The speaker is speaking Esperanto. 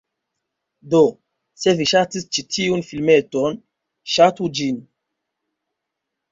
Do, se vi ŝatis ĉi tiun filmeton, ŝatu ĝin